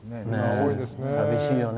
多いですね。